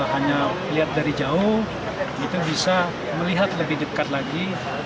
hanya lihat dari jauh itu bisa melihat lebih dekat lagi